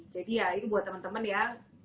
jadi ya itu buat temen temen ya